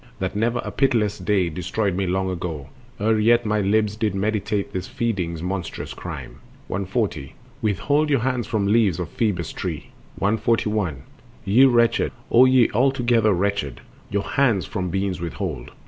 that never a pitiless day Destroyed me long ago, ere yet my lips Did meditate this feeding's monstrous crime! Taboos. 140. Withhold your hands from leaves of Phoebus' tree! 141. Ye wretched, O ye altogether wretched, Your hands from beans withhold!